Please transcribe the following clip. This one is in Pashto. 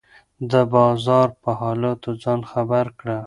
د بازار په حالاتو ځان خبر کړه.